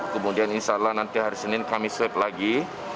kemudian insya allah nanti hari senin kami swab lagi